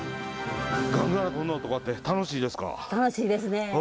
ガンガラとるのとかって楽しいですか？